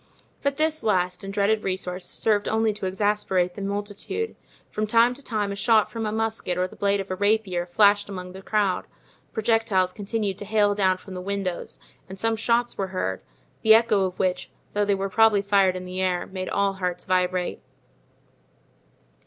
But this last and dreaded resource served only to exasperate the multitude. From time to time a shot from a musket or the blade of a rapier flashed among the crowd; projectiles continued to hail down from the windows and some shots were heard, the echo of which, though they were probably fired in the air, made all hearts vibrate.